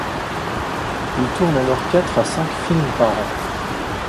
Il tourne alors quatre à cinq films par an.